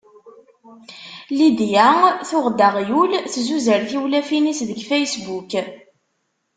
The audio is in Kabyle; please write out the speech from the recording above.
Lidya tuɣ-d aɣyul tzuzer tiwlafin-is deg facebook.